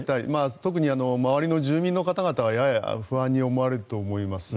特に周りの住民の方々はやや不安に思われると思います。